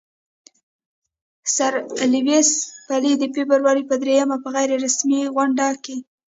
سر لیویس پیلي د فبرورۍ پر دریمه په غیر رسمي غونډه کې.